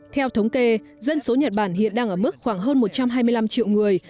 theo thống kê dân số nhật bản hiện đang ở mức khoảng hơn một trăm hai mươi năm triệu người